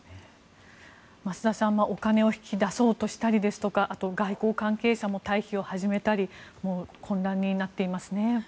増田さんお金を引き出そうとしたりあと外交関係者も退避を始めたり混乱になっていますね。